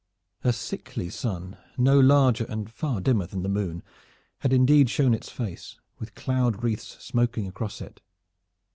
A sickly sun, no larger and far dimmer than the moon, had indeed shown its face, with cloud wreaths smoking across it.